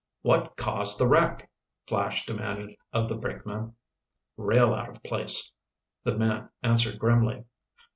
"What caused the wreck?" Flash demanded of the brakeman. "Rail out of place," the man answered grimly.